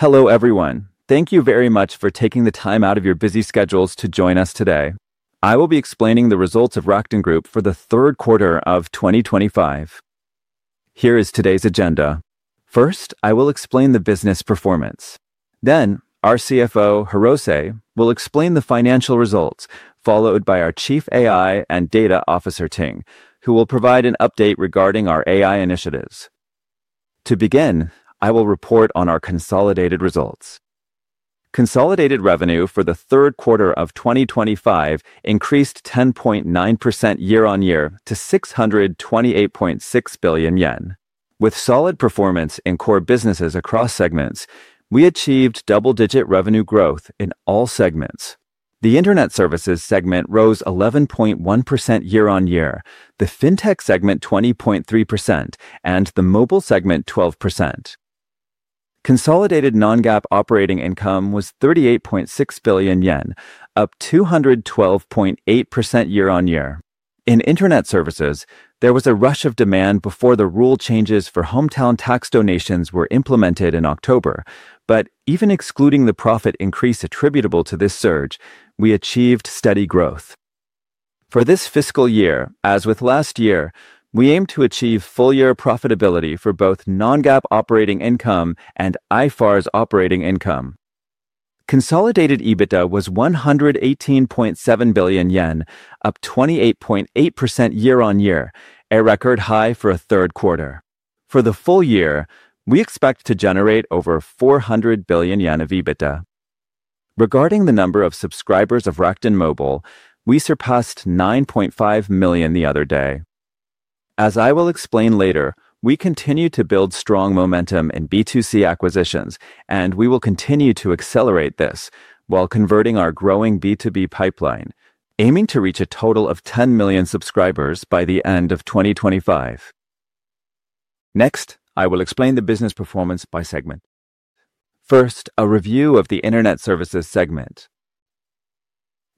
Hello everyone, thank you very much for taking the time out of your busy schedules to join us today. I will be explaining the results of Rakuten Group for the third quarter of 2025. Here is today's agenda. First, I will explain the business performance. Then, our CFO, Hirose, will explain the financial results, followed by our Chief AI and Data Officer, Ting, who will provide an update regarding our AI initiatives. To begin, I will report on our Consolidated Results. Consolidated revenue for the third quarter of 2025 increased 10.9% year-on-year to 628.6 billion yen. With solid performance in core businesses across segments, we achieved double-digit revenue growth in all segments. The Internet Services Segment rose 11.1% year-on-year, the FinTech Segment 20.3%, and the Mobile Segment 12%. Consolidated non-GAAP operating income was 38.6 billion yen, up 212.8% year-on-year. In Internet Services, there was a rush of demand before the rule changes for hometown tax donations were implemented in October, but even excluding the profit increase attributable to this surge, we achieved steady growth. For this fiscal year, as with last year, we aim to achieve full-year profitability for both non-GAAP operating income and IFRS Operating Income. Consolidated EBITDA was 118.7 billion yen, up 28.8% year-on-year, a record high for a third quarter. For the full year, we expect to generate over 400 billion yen of EBITDA. Regarding the number of subscribers of Rakuten Mobile, we surpassed 9.5 million the other day. As I will explain later, we continue to build strong momentum in B2C acquisitions, and we will continue to accelerate this while converting our growing B2B pipeline, aiming to reach a total of 10 million subscribers by the end of 2025. Next, I will explain the business performance by segment. First, a review of the Internet Services Segment.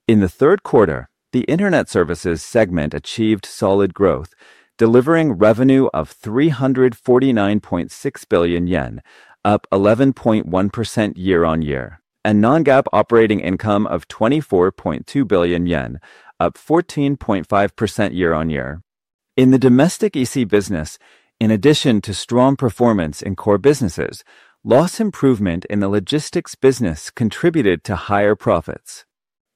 In the third quarter, the Internet Services Segment achieved solid growth, delivering revenue of 349.6 billion yen, up 11.1% year-on-year, and non-GAAP Operating Income of 24.2 billion yen, up 14.5% year-on-year. In the Domestic EC Business, in addition to strong performance in Core Businesses, loss improvement in the Logistics business contributed to higher profits.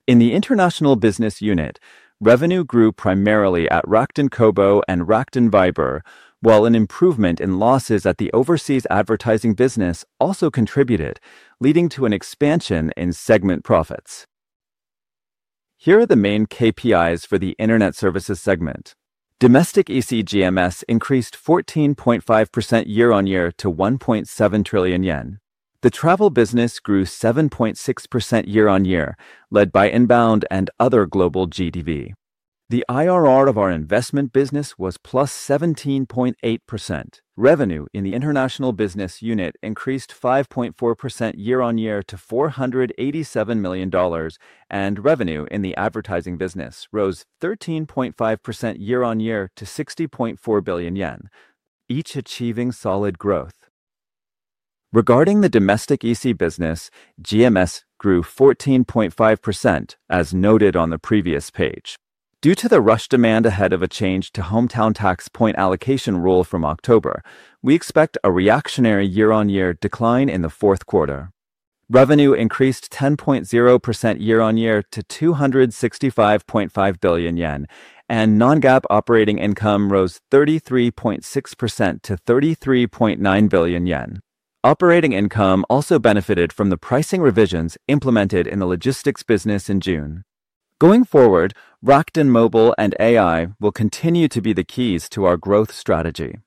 In the International Business Unit, revenue grew primarily at Rakuten Kobo and Rakuten Viber, while an improvement in losses at the overseas Advertising Business also contributed, leading to an expansion in segment profits. Here are the main KPIs for the Internet Services Segment. Domestic EC GMS increased 14.5% year-on-year to 1.7 trillion yen. The travel business grew 7.6% year-on-year, led by inbound and other global GDV. The IRR of our investment business was +17.8%. Revenue in the International Business Unit increased 5.4% year-on-year to $487 million, and revenue in the Advertising Business rose 13.5% year-on-year to 60.4 billion yen, each achieving solid growth. Regarding the Domestic EC business, GMS grew 14.5%, as noted on the previous page. Due to the rush demand ahead of a change to hometown tax point allocation rule from October, we expect a reactionary year-on-year decline in the fourth quarter. Revenue increased 10.0% year-on-year to 265.5 billion yen, and non-GAAP Operating Income rose 33.6% to 33.9 billion yen. Operating income also benefited from the pricing revisions implemented in the Logistics business in June. Going forward, Rakuten Mobile and AI will continue to be the keys to our growth strategy.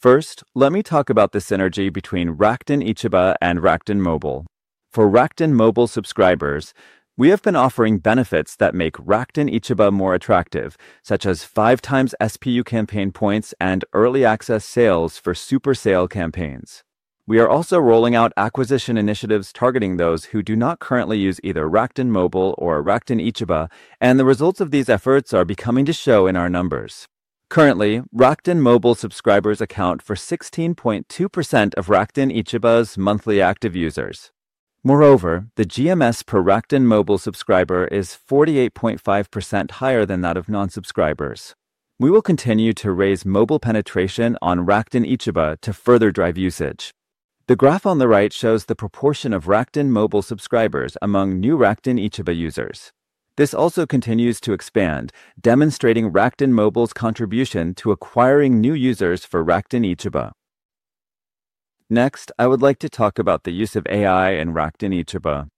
First, let me talk about the synergy between Rakuten Ichiba and Rakuten Mobile. For Rakuten Mobile subscribers, we have been offering benefits that make Rakuten Ichiba more attractive, such as 5x SPU campaign points and early access sales for Super Sale campaigns. We are also rolling out acquisition initiatives targeting those who do not currently use either Rakuten Mobile or Rakuten Ichiba, and the results of these efforts are beginning to show in our numbers. Currently, Rakuten Mobile subscribers account for 16.2% of Rakuten Ichiba's monthly active users. Moreover, the GMS per Rakuten Mobile subscriber is 48.5% higher than that of non-subscribers. We will continue to raise mobile penetration on Rakuten Ichiba to further drive usage. The graph on the right shows the proportion of Rakuten Mobile subscribers among new Rakuten Ichiba users. This also continues to expand, demonstrating Rakuten Mobile's contribution to acquiring new users for Rakuten Ichiba. Next, I would like to talk about the use of AI in Rakuten Ichiba.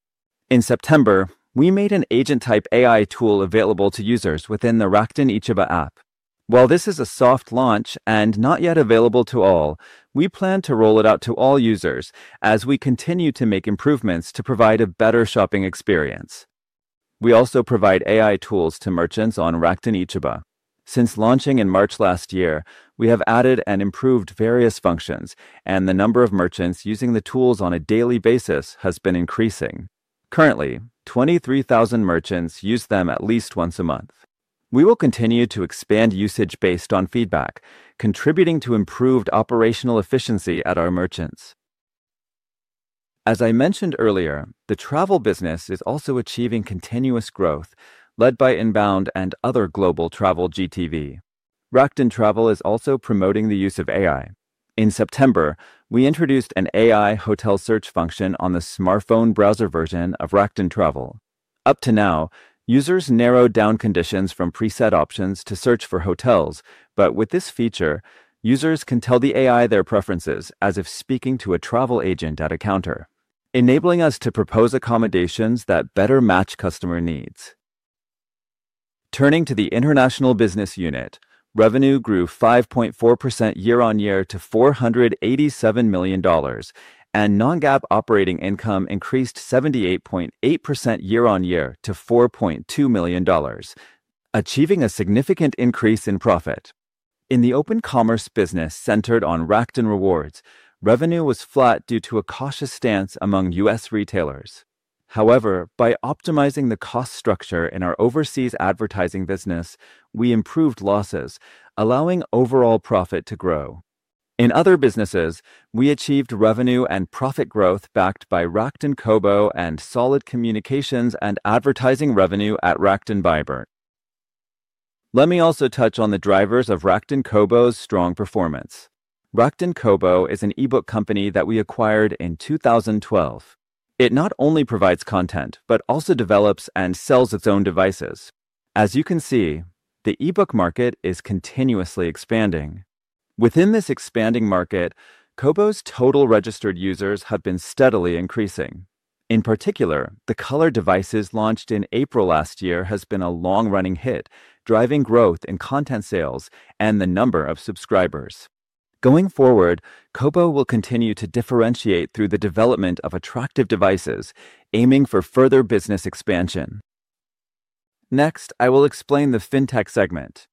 In September, we made an agent-type AI tool available to users within the Rakuten Ichiba app. While this is a soft launch and not yet available to all, we plan to roll it out to all users as we continue to make improvements to provide a better shopping experience. We also provide AI tools to merchants on Rakuten Ichiba. Since launching in March last year, we have added and improved various functions, and the number of merchants using the tools on a daily basis has been increasing. Currently, 23,000 merchants use them at least once a month. We will continue to expand usage based on feedback, contributing to improved operational efficiency at our merchants. As I mentioned earlier, the Travel Business is also achieving continuous growth, led by inbound and other Global Travel GTV. Rakuten Travel is also promoting the use of AI. In September, we introduced an AI hotel search function on the smartphone browser version of Rakuten Travel. Up to now, users narrowed down conditions from preset options to search for hotels, but with this feature, users can tell the AI their preferences as if speaking to a travel agent at a counter, enabling us to propose accommodations that better match customer needs. Turning to the International Business Unit, revenue grew 5.4% year-on-year to $487 million, and non-GAAP operating income increased 78.8% year-on-year to $4.2 million, achieving a significant increase in profit. In the Open Commerce Business centered on Rakuten Rewards, revenue was flat due to a cautious stance among U.S. retailers. However, by optimizing the cost structure in our overseas Advertising Business, we improved losses, allowing overall profit to grow. In other businesses, we achieved revenue and profit growth backed by Rakuten Kobo and solid communications and Advertising Revenue at Rakuten Viber. Let me also touch on the drivers of Rakuten Kobo's strong performance. Rakuten Kobo is an e-book company that we acquired in 2012. It not only provides content but also develops and sells its own devices. As you can see, the e-book market is continuously expanding. Within this expanding market, Kobo's total registered users have been steadily increasing. In particular, the color devices launched in April last year have been a long-running hit, driving growth in content sales and the number of subscribers. Going forward, Kobo will continue to differentiate through the development of attractive devices, aiming for further business expansion. Next, I will explain the FinTech Segment.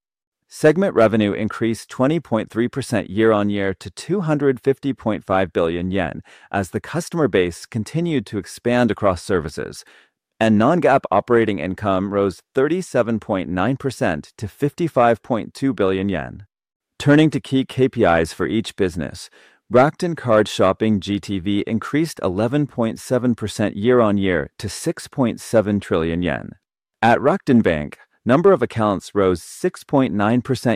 Segment revenue increased 20.3% year-on-year to 250.5 billion yen as the customer base continued to expand across services, and non-GAAP Operating Income rose 37.9% to 55.2 billion yen. Turning to key KPIs for each business, Rakuten Card Shopping GTV increased 11.7% year-on-year to 6.7 trillion yen. At Rakuten Bank, number of accounts rose 6.9%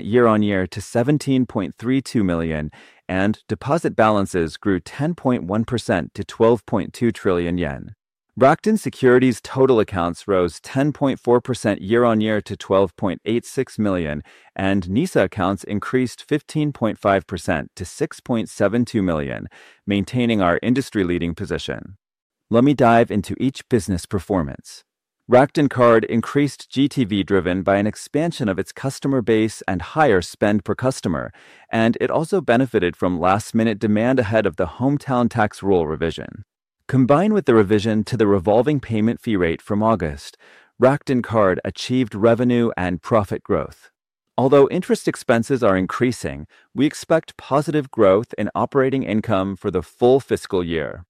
year-on-year to 17.32 million, and deposit balances grew 10.1% to 12.2 trillion yen. Rakuten Securities total accounts rose 10.4% year-on-year to 12.86 million, and NISA accounts increased 15.5% to 6.72 million, maintaining our industry-leading position. Let me dive into each business performance. Rakuten Card increased GTV driven by an expansion of its customer base and higher spend per customer, and it also benefited from last-minute demand ahead of the hometown tax rule revision. Combined with the revision to the revolving payment fee rate from August, Rakuten Card achieved revenue and profit growth. Although interest expenses are increasing, we expect positive growth in Operating Income for the full fiscal year.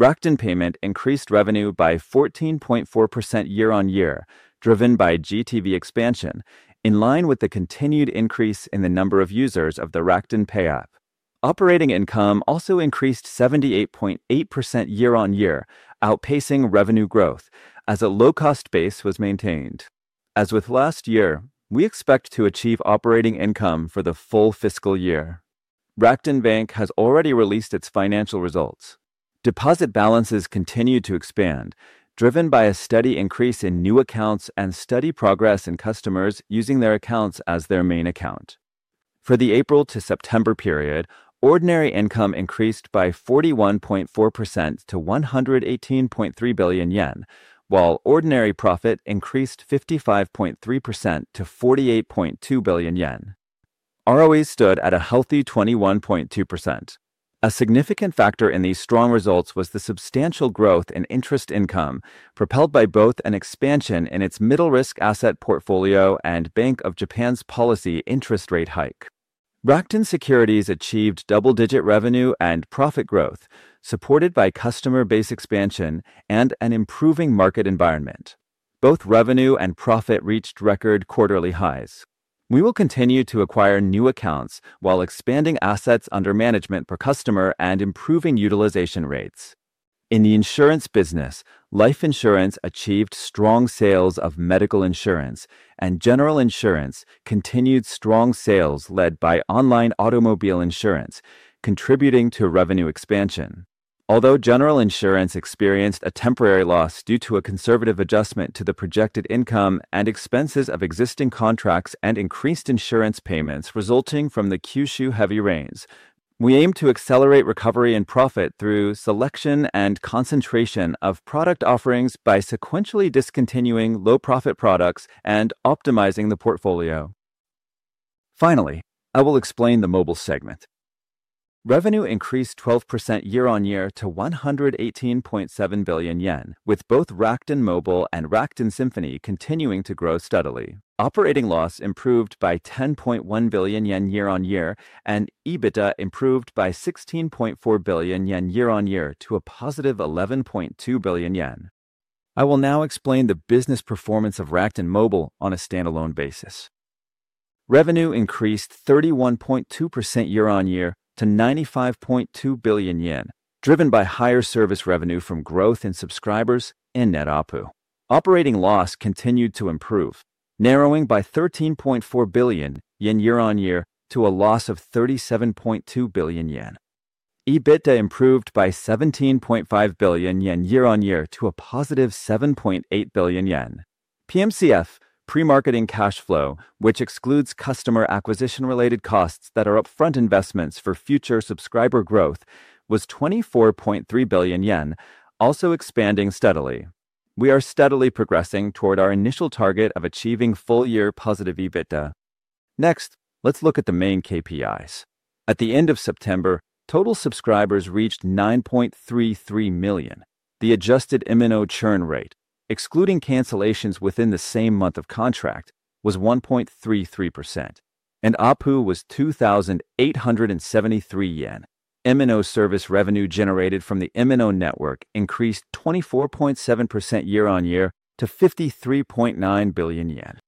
Rakuten Payment increased revenue by 14.4% year-on-year, driven by GTV expansion, in line with the continued increase in the number of users of the Rakuten Pay App. Operating Income also increased 78.8% year-on-year, outpacing revenue growth, as a low-cost base was maintained. As with last year, we expect to achieve Operating Income for the full fiscal year. Rakuten Bank has already released its financial results. Deposit balances continue to expand, driven by a steady increase in new accounts and steady progress in customers using their accounts as their main account. For the April to September period, Ordinary Income increased by 41.4% to 118.3 billion yen, while Ordinary Profit increased 55.3% to 48.2 billion yen. ROE stood at a healthy 21.2%. A significant factor in these strong results was the substantial growth in interest income, propelled by both an expansion in its middle-risk asset portfolio and Bank of Japan's policy interest rate hike. Rakuten Securities achieved double-digit revenue and profit growth, supported by customer base expansion and an improving market environment. Both revenue and profit reached record quarterly highs. We will continue to acquire new accounts while expanding assets under management per customer and improving utilization rates. In the Insurance Business, life insurance achieved strong sales of medical insurance, and general insurance continued strong sales led by online automobile insurance, contributing to revenue expansion. Although general insurance experienced a temporary loss due to a conservative adjustment to the projected income and expenses of existing contracts and increased insurance payments resulting from the Kyushu heavy rains, we aim to accelerate recovery and profit through selection and concentration of product offerings by sequentially discontinuing low-profit products and optimizing the portfolio. Finally, I will explain the Mobile Segment. Revenue increased 12% year-on-year to 118.7 billion yen, with both Rakuten Mobile and Rakuten Symphony continuing to grow steadily. Operating loss improved by 10.1 billion yen year-on-year, and EBITDA improved by 16.4 billion yen year-on-year to a +11.2 billion yen. I will now explain the business performance of Rakuten Mobile on a standalone basis. Revenue increased 31.2% year-on-year to 95.2 billion yen, driven by higher service revenue from growth in subscribers and net APU. Operating loss continued to improve, narrowing by 13.4 billion yen year-on-year to a loss of 37.2 billion yen. EBITDA improved by 17.5 billion yen year-on-year to a +7.8 billion yen. PMCF pre-marketing cash flow, which excludes customer acquisition-related costs that are upfront investments for future subscriber growth, was 24.3 billion yen, also expanding steadily. We are steadily progressing toward our initial target of achieving full-year +EBITDA. Next, let's look at the main KPIs. At the end of September, Total subscribers reached 9.33 million. The adjusted MNO churn rate, excluding cancellations within the same month of contract, was 1.33%, and APU was 2,873 yen. MNO service revenue generated from the MNO network increased 24.7% year-on-year to 53.9 billion yen.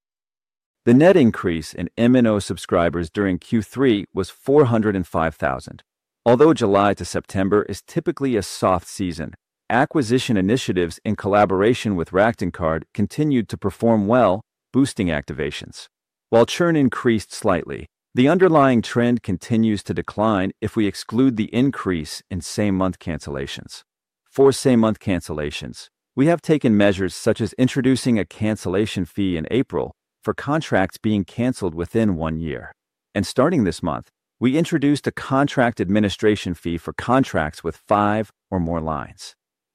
The net increase in MNO subscribers during Q3 was 405,000. Although July to September is typically a soft season, acquisition initiatives in collaboration with Rakuten Card continued to perform well, boosting activations. While churn increased slightly, the underlying trend continues to decline if we exclude the increase in same-month cancellations. For same-month cancellations, we have taken measures such as introducing a cancellation fee in April for contracts being canceled within one year. Starting this month, we introduced a contract administration fee for contracts with five or more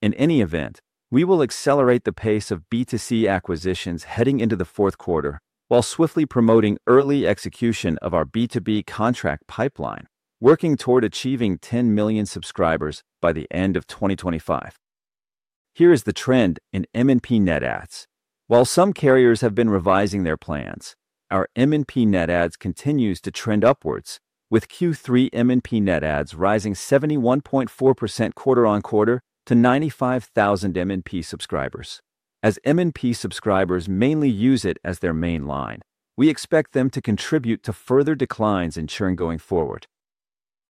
lines. In any event, we will accelerate the pace of B2C acquisitions heading into the fourth quarter while swiftly promoting early execution of our B2B contract pipeline, working toward achieving 10 million subscribers by the end of 2025. Here is the trend in MNP net adds. While some carriers have been revising their plans, our MNP net adds continues to trend upwards, with Q3 MNP net adds rising 71.4% quarter-on-quarter to 95,000 MNP subscribers. As MNP subscribers mainly use it as their main line, we expect them to contribute to further declines in churn going forward.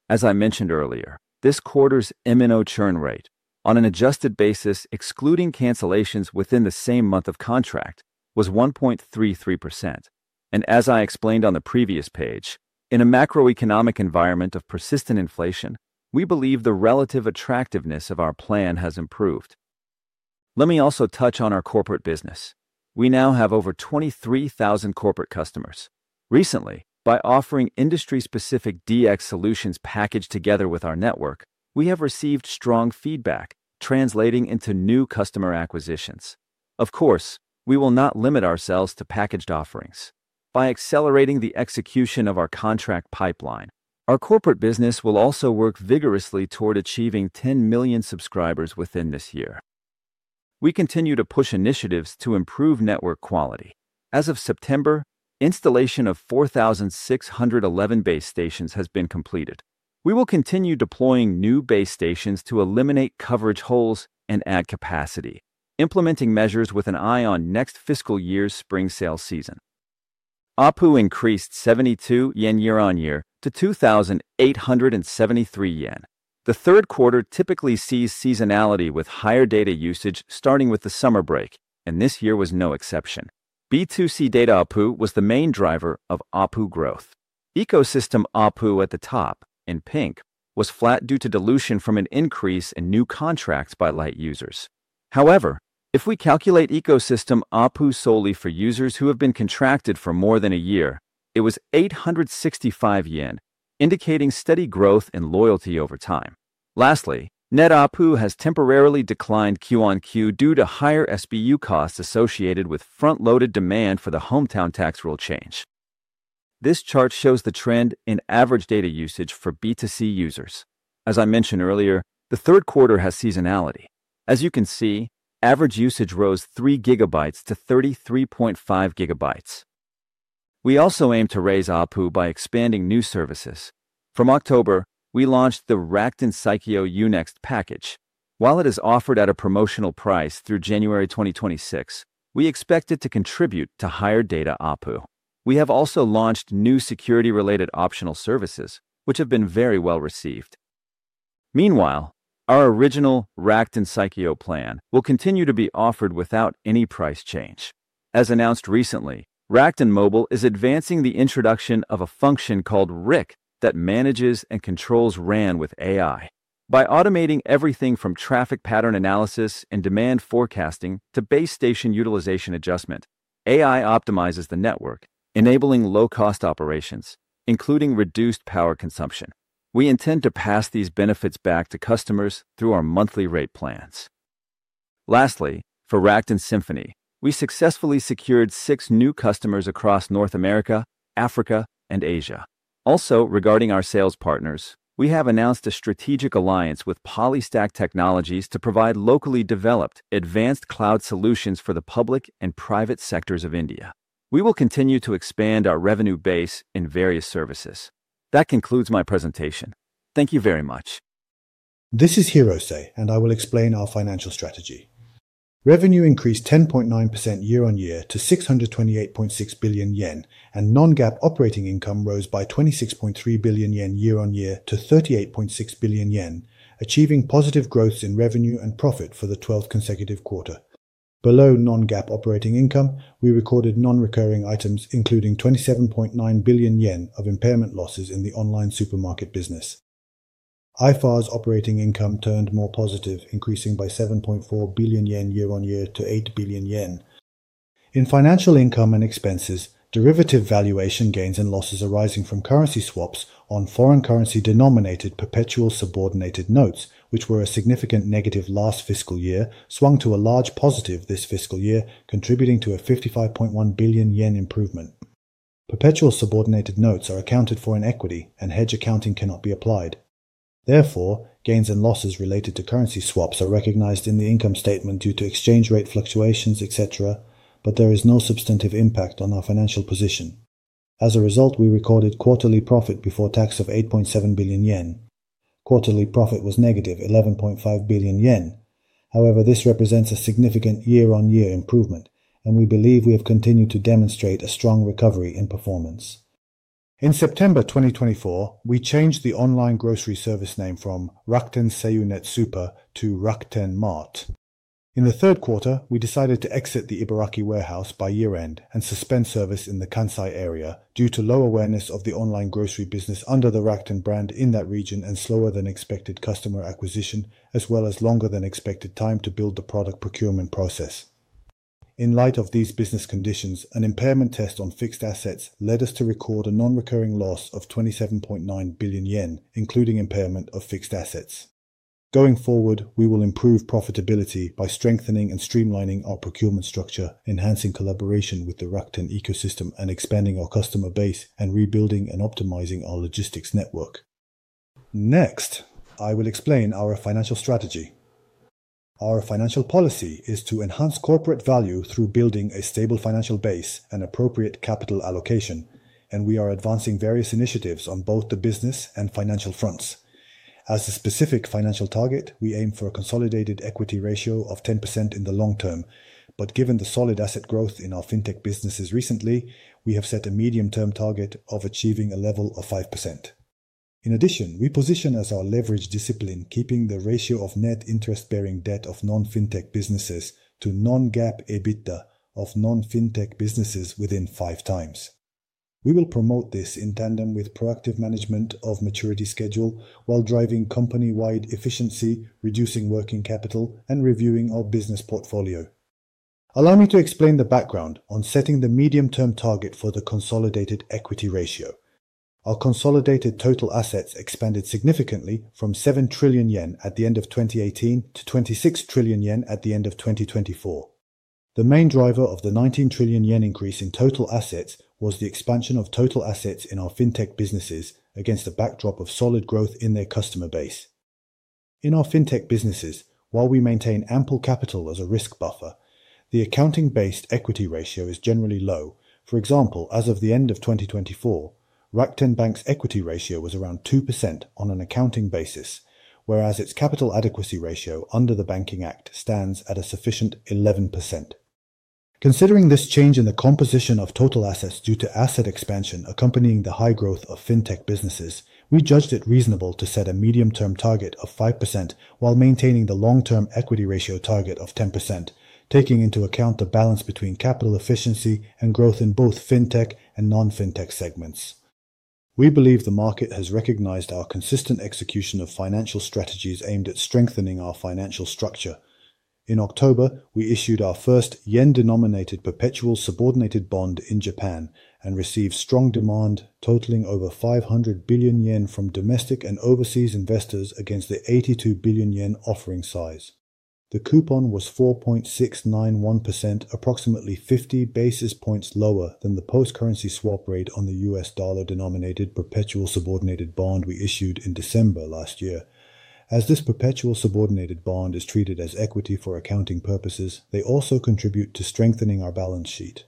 As I mentioned earlier, this quarter's MNO churn rate, on an adjusted basis excluding cancellations within the same month of contract, was 1.33%. As I explained on the previous page, in a macroeconomic environment of persistent inflation, we believe the relative attractiveness of our plan has improved. Let me also touch on our Corporate Business. We now have over 23,000 corporate customers. Recently, by offering industry-specific DX solutions packaged together with our network, we have received strong feedback, translating into new customer acquisitions. Of course, we will not limit ourselves to packaged offerings. By accelerating the execution of our contract pipeline, our Corporate Business will also work vigorously toward achieving 10 million subscribers within this year. We continue to push initiatives to improve network quality. As of September, installation of 4,611 Base Stations has been completed. We will continue deploying new Base Stations to eliminate coverage holes and add capacity, implementing measures with an eye on next fiscal year's spring sales season. APU increased JPY 72 year-on-year to 2,873 yen. The third quarter typically sees seasonality with higher data usage starting with the summer break, and this year was no exception. B2C data APU was the main driver of APU growth. Ecosystem APU at the top, in pink, was flat due to dilution from an increase in new contracts by light users. However, if we calculate ecosystem APU solely for users who have been contracted for more than a year, it was 865 yen, indicating steady growth in loyalty over time. Lastly, net APU has temporarily declined QoQ due to higher SBU costs associated with front-loaded demand for the hometown tax rule change. This chart shows the trend in average data usage for B2C users. As I mentioned earlier, the third quarter has seasonality. As you can see, average usage rose 3 GB-33.5 GB. We also aim to raise APU by expanding new services. From October, we launched the Rakuten SAIKYO U-NEXT package. While it is offered at a promotional price through January 2026, we expect it to contribute to higher data APU. We have also launched new security-related optional services, which have been very well received. Meanwhile, our original Rakuten SAIKYO Plan will continue to be offered without any price change. As announced recently, Rakuten Mobile is advancing the introduction of a function called RIC that manages and controls RAN with AI. By automating everything from traffic pattern analysis and demand forecasting to base station utilization adjustment, AI optimizes the network, enabling low-cost operations, including reduced power consumption. We intend to pass these benefits back to customers through our monthly rate plans. Lastly, for Rakuten Symphony, we successfully secured six new customers across North America, Africa, and Asia. Also, regarding our sales partners, we have announced a strategic alliance with Polystack Technologies to provide locally developed, advanced cloud solutions for the public and private sectors of India. We will continue to expand our revenue base in various services. That concludes my presentation. Thank you very much. This is Hirose, and I will explain our Financial Strategy. Revenue increased 10.9% year-on-year to 628.6 billion yen, and non-GAAP operating income rose by 26.3 billion yen year-on-year to 38.6 billion yen, achieving positive growths in revenue and profit for the 12th consecutive quarter. Below non-GAAP operating income, we recorded non-recurring items, including 27.9 billion yen of impairment losses in the Online Supermarket Business. IFRS operating income turned more positive, increasing by 7.4 billion yen year-on-year to 8 billion yen. In Financial Income and Expenses, derivative valuation Gains and Losses arising from currency swaps on foreign currency-denominated perpetual subordinated notes, which were a significant negative last fiscal year, swung to a large positive this fiscal year, contributing to a 55.1 billion yen improvement. Perpetual subordinated notes are accounted for in equity, and hedge accounting cannot be applied. Therefore, Gains and Losses related to currency swaps are recognized in the income statement due to exchange rate fluctuations, et cetera, but there is no substantive impact on our financial position. As a result, we recorded quarterly profit before tax of 8.7 billion yen. Quarterly profit was -11.5 billion yen. However, this represents a significant year-on-year improvement, and we believe we have continued to demonstrate a strong recovery in performance. In September 2024, we changed the Online Grocery Service name from "Rakuten Seiyu Netsuper" to "Rakuten Mart." In the third quarter, we decided to exit the Ibaraki warehouse by year-end and suspend service in the Kansai area due to low awareness of the Online Grocery Business under the Rakuten brand in that region and slower than expected customer acquisition, as well as longer than expected time to build the product procurement process. In light of these business conditions, an impairment test on fixed assets led us to record a non-recurring loss of 27.9 billion yen, including impairment of fixed assets. Going forward, we will improve profitability by strengthening and streamlining our procurement structure, enhancing collaboration with the Rakuten Ecosystem and expanding our customer base, and rebuilding and optimizing our logistics network. Next, I will explain our Financial Strategy. Our Financial Policy is to enhance corporate value through building a stable financial base and appropriate capital allocation, and we are advancing various initiatives on both the business and financial fronts. As a specific financial target, we aim for a Consolidated equity ratio of 10% in the long term, but given the solid asset growth in our FinTech businesses recently, we have set a medium-term target of achieving a level of 5%. In addition, we position ourselves as our leverage discipline, keeping the ratio of net interest-bearing debt of non-FinTech businesses to non-GAAP EBITDA of non-FinTech businesses within 5x. We will promote this in tandem with proactive management of maturity schedule while driving company-wide efficiency, reducing working capital, and reviewing our Business Portfolio. Allow me to explain the background on setting the medium-term target for the Consolidated equity ratio. Our Consolidated total assets expanded significantly from 7 trillion yen at the end of 2018 to 26 trillion yen at the end of 2024. The main driver of the 19 trillion yen increase in total assets was the expansion of total assets in our FinTech Businesses against a backdrop of solid growth in their customer base. In our FinTech Businesses, while we maintain ample capital as a risk buffer, the accounting-based equity ratio is generally low. For example, as of the end of 2024, Rakuten Bank's equity ratio was around 2% on an accounting basis, whereas its capital adequacy ratio under the Banking Act stands at a sufficient 11%. Considering this change in the composition of total assets due to asset expansion accompanying the high growth of FinTech businesses, we judged it reasonable to set a medium-term target of 5% while maintaining the long-term equity ratio target of 10%, taking into account the balance between capital efficiency and growth in both FinTech and non-FinTech Segments. We believe the market has recognized our consistent execution of financial strategies aimed at strengthening our financial structure. In October, we issued our first JPY-denominated perpetual subordinated bond in Japan and received strong demand totaling over 500 billion yen from domestic and overseas investors against the 82 billion yen offering size. The coupon was 4.691%, approximately 50 basis points lower than the post-currency swap rate on the USD-denominated perpetual subordinated bond we issued in December last year. As this perpetual subordinated bond is treated as equity for accounting purposes, they also contribute to strengthening our balance sheet.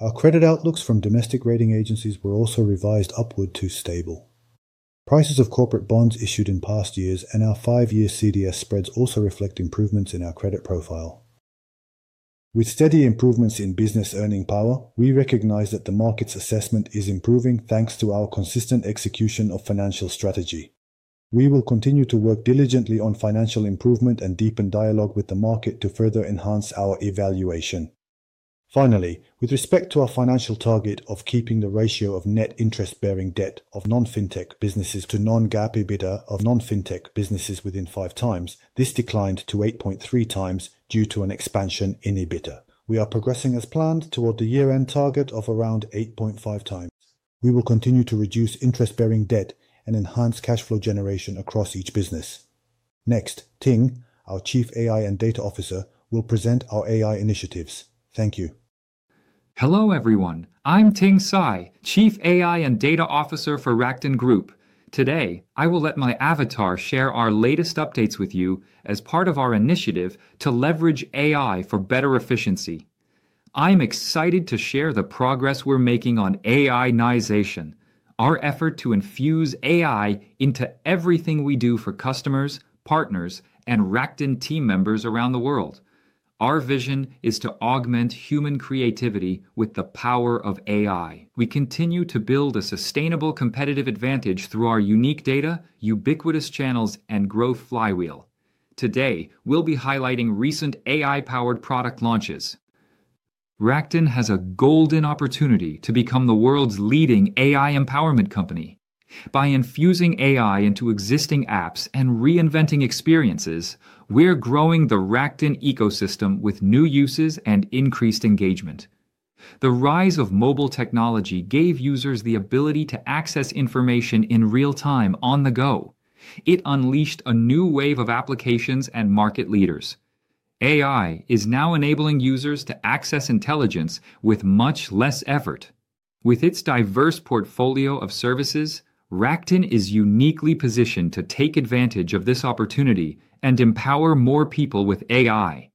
Our credit outlooks from domestic rating agencies were also revised upward to stable. Prices of corporate bonds issued in past years and our five-year CDS spreads also reflect improvements in our credit profile. With steady improvements in business earning power, we recognize that the market's assessment is improving thanks to our consistent execution of Financial Strategy. We will continue to work diligently on financial improvement and deepen dialogue with the market to further enhance our evaluation. Finally, with respect to our financial target of keeping the ratio of net interest-bearing debt of non-FinTech businesses to non-GAAP EBITDA of non-FinTech businesses within 5x, this declined to 8.3x due to an expansion in EBITDA. We are progressing as planned toward the year-end target of around 8.5x. We will continue to reduce interest-bearing debt and enhance cash flow generation across each business. Next, Ting, our Chief AI and Data Officer, will present our AI initiatives. Thank you. Hello everyone, I'm Ting Cai, Chief AI and Data Officer for Rakuten Group. Today, I will let my avatar share our latest updates with you as part of our initiative to leverage AI for better efficiency. I'm excited to share the progress we're making on AI-nization, our effort to infuse AI into everything we do for customers, partners, and Rakuten team members around the world. Our vision is to augment human creativity with the power of AI. We continue to build a sustainable competitive advantage through our unique data, ubiquitous channels, and growth flywheel. Today, we'll be highlighting recent AI-powered product launches. Rakuten has a golden opportunity to become the world's leading AI empowerment company. By infusing AI into existing apps and reinventing experiences, we're growing the Rakuten Ecosystem with new uses and increased engagement. The rise of mobile technology gave users the ability to access information in real time on the go. It unleashed a new wave of applications and market leaders. AI is now enabling users to access intelligence with much less effort. With its diverse portfolio of services, Rakuten is uniquely positioned to take advantage of this opportunity and empower more people with AI.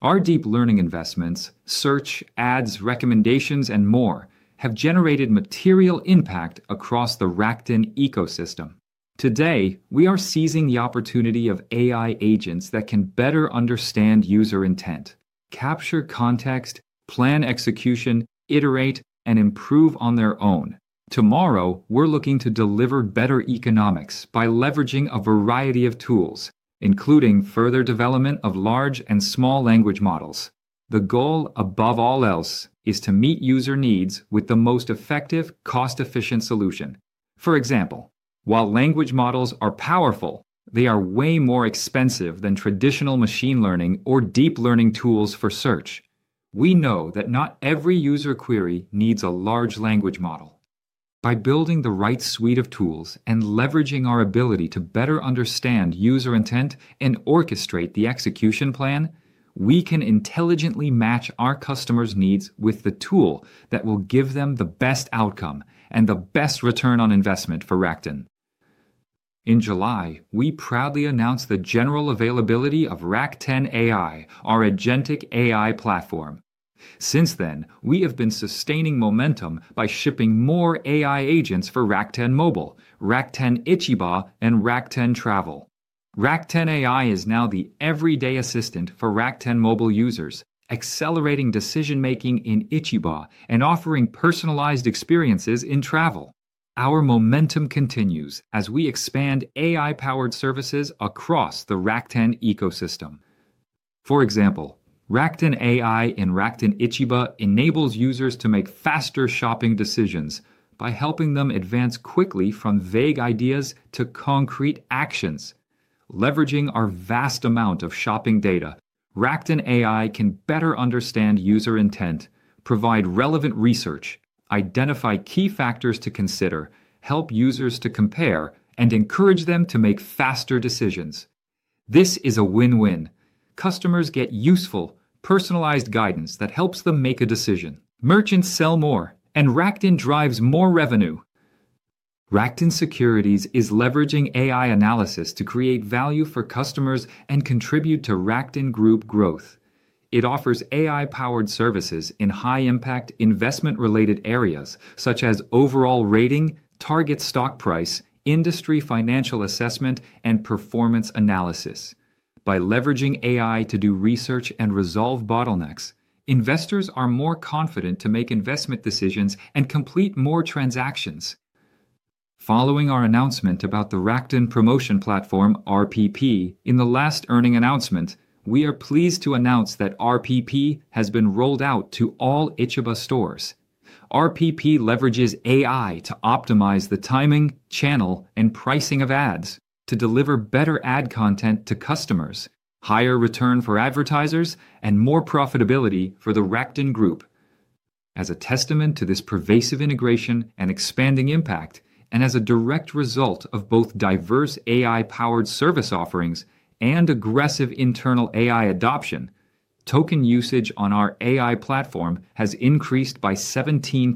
Our deep learning investments—search, ads, recommendations, and more—have generated material impact across the Rakuten Ecosystem. Today, we are seizing the opportunity of AI agents that can better understand user intent, capture context, plan execution, iterate, and improve on their own. Tomorrow, we're looking to deliver better economics by leveraging a variety of tools, including further development of large and small language models. The goal, above all else, is to meet user needs with the most effective, cost-efficient solution. For example, while language models are powerful, they are way more expensive than traditional machine learning or deep learning tools for search. We know that not every user query needs a large language model. By building the right suite of tools and leveraging our ability to better understand user intent and orchestrate the execution plan, we can intelligently match our customers' needs with the tool that will give them the best outcome and the best return on investment for Rakuten. In July, we proudly announced the general availability of Rakuten AI, our Agentic AI platform. Since then, we have been sustaining momentum by shipping more AI agents for Rakuten Mobile, Rakuten Ichiba, and Rakuten Travel. Rakuten AI is now the everyday assistant for Rakuten Mobile users, accelerating decision-making in Ichiba and offering personalized experiences in Travel. Our momentum continues as we expand AI-powered services across the Rakuten Ecosystem. For example, Rakuten AI in Rakuten Ichiba enables users to make faster shopping decisions by helping them advance quickly from vague ideas to concrete actions. Leveraging our vast amount of shopping data, Rakuten AI can better understand user intent, provide relevant research, identify key factors to consider, help users to compare, and encourage them to make faster decisions. This is a win-win. Customers get useful, personalized guidance that helps them make a decision. Merchants sell more, and Rakuten drives more revenue. Rakuten Securities is leveraging AI analysis to create value for customers and contribute to Rakuten Group growth. It offers AI-powered services in high-impact investment-related areas such as overall rating, target stock price, industry financial assessment, and performance analysis. By leveraging AI to do research and resolve bottlenecks, investors are more confident to make investment decisions and complete more transactions. Following our announcement about the Rakuten Promotion Platform (RPP) in the last earning announcement, we are pleased to announce that RPP has been rolled out to all Ichiba stores. RPP leverages AI to optimize the timing, channel, and pricing of ads to deliver better ad content to customers, higher return for advertisers, and more profitability for the Rakuten Group. As a testament to this pervasive integration and expanding impact, and as a direct result of both diverse AI-powered service offerings and aggressive internal AI adoption, token usage on our AI platform has increased by 17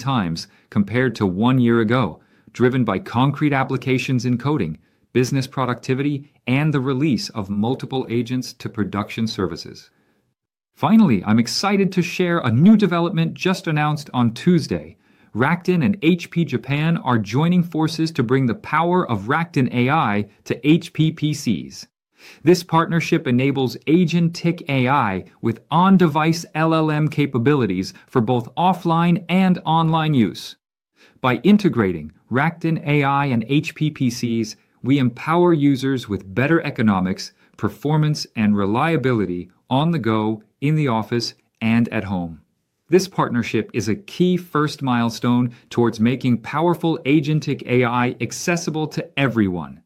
compared to one year ago, driven by concrete applications in coding, business productivity, and the release of multiple agents to production services. Finally, I'm excited to share a new development just announced on Tuesday. Rakuten and HP Japan are joining forces to bring the power of Rakuten AI to HP PCs. This partnership enables Agentic AI with on-device LLM capabilities for both offline and online use. By integrating Rakuten AI and HP PCs, we empower users with better economics, performance, and reliability on the go, in the office, and at home. This partnership is a key first milestone towards making powerful Agentic AI accessible to everyone.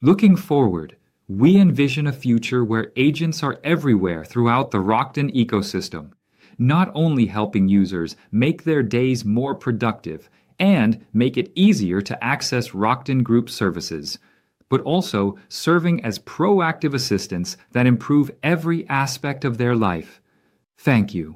Looking forward, we envision a future where agents are everywhere throughout the Rakuten Ecosystem, not only helping users make their days more productive and make it easier to access Rakuten Group services, but also serving as proactive assistants that improve every aspect of their life. Thank you.